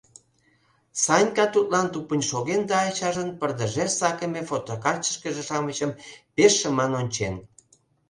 Санька тудлан тупынь шоген да ачажын пырдыжеш сакыме фотокартычкыже-шамычым пеш шыман ончен.